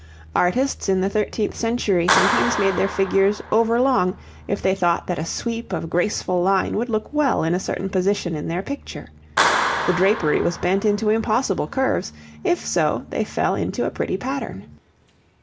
Artists in the thirteenth century sometimes made their figures over long if they thought that a sweep of graceful line would look well in a certain position in their picture; the drapery was bent into impossible curves if so they fell into a pretty pattern.